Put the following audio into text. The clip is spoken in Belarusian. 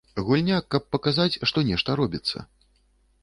Гульня, каб паказаць, што нешта робіцца.